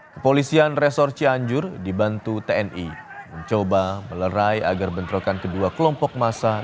kepolisian resor cianjur dibantu tni mencoba melerai agar bentrokan kedua kelompok massa